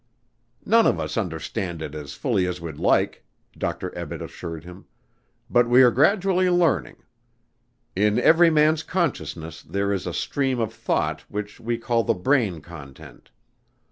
"None of us understand it as fully as we'd like," Dr. Ebbett assured him. "But we are gradually learning. In every man's consciousness there is a stream of thought which we call the brain content.